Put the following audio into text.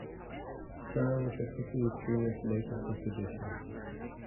Ferrer was executed three years later for sedition.